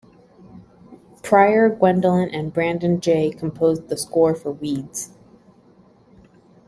Prior, Gwendolyn and Brandon Jay composed the score for "Weeds".